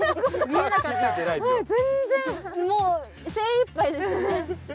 全然もう精いっぱいでしたね。